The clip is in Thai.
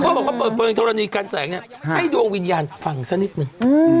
ดิวมาเบาะเผบรณุธรรมิการแสงนี่ให้ดวงวิญญาณฟังซ่านิดหนึ่ง